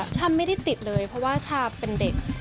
ฉันไม่ได้ติดเลยเพราะว่าชาเป็นเด็ก